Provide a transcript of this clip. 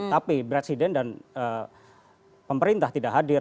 tapi presiden dan pemerintah tidak hadir